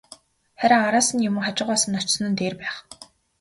Харин араас нь юм уу, хажуугаас нь очсон нь дээр байх.